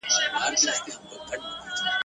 دا وینا یې په څو څو ځله کوله ..